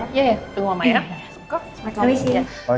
iya tunggu mbak ya